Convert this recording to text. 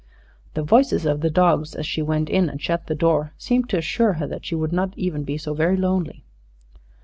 The voices of the dogs, as she went in and shut the door, seemed to assure her that she would not even be so very lonely.